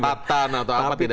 catatan atau apa tidak ada ya